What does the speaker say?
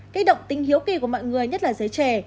kích động tính hiếu kỳ của mọi người nhất là giới trẻ